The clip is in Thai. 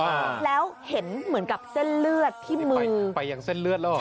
แล้วเห็นเหมือนกับเส้นเลือดที่มือไปอย่างเส้นเลือดแล้วเหรอ